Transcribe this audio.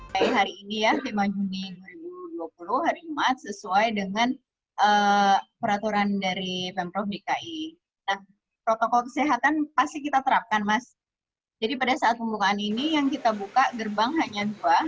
kita juga menghimbau kepada seluruh pengguna gbk